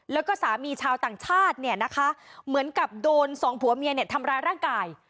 แล้วก็สามีชาวต่างชาติเนี่ยนะคะเหมือนกับโดนสองผัวเมียเนี่ยทำร้ายร่างกาย